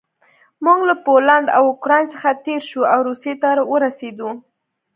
موږ له پولنډ او اوکراین څخه تېر شوو او روسیې ته ورسېدو